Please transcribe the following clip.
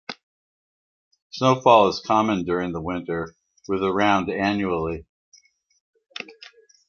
Snowfall is common during the winter, with around annually.